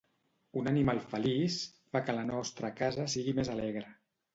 Un animal feliç fa que la nostra casa sigui més alegre.